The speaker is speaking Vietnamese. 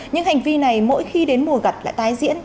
những hành vi này mỗi khi đến mùa gặt lại tái diễn